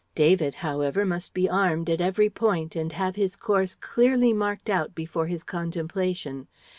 David however must be armed at every point and have his course clearly marked out before his contemplation.